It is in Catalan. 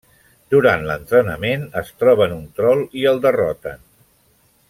Durant l'entrenament, es troben un trol i el derroten.